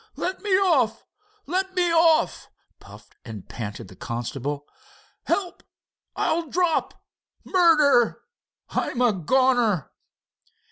"Let me off! Let me off!" puffed and panted the constable. "Help! I'll drop! Murder! I'm a goner!"